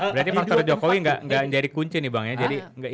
berarti faktor jokowi nggak jadi kunci nih bang ya